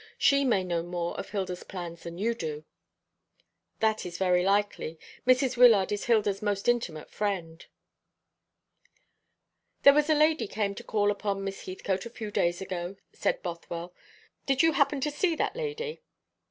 She may know more of Hilda's plans than you do." "That is very likely. Mrs. Wyllard is Hilda's most intimate friend." "There was a lady came to call upon Miss Heathcote a few days ago," said Bothwell. "Did you happen to see that lady?"